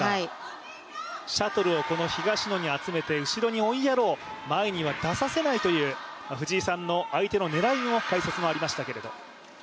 シャトルを東野に集めて後ろに追いやろう、前には出させないという藤井さんの相手の狙いの解説もありましたが。